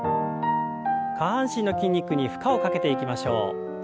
下半身の筋肉に負荷をかけていきましょう。